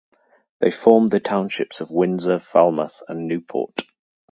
They formed the townships of Windsor, Falmouth and Newport.